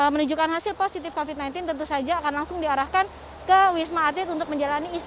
menunjukkan hasil positif covid sembilan belas tentu saja akan langsung diarahkan ke wisma atlet untuk menjalani isolasi